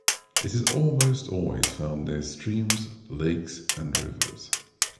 It is almost always found near streams, lakes, and rivers.